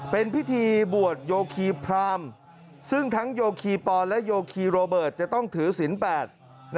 เป็นพิธีบวชโยคีพรามซึ่งทั้งโยคีปอนและโยคีโรเบิร์ตจะต้องถือศิลป์แปด